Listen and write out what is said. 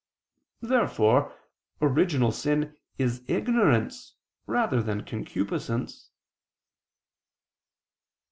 Therefore original sin is ignorance rather than concupiscence.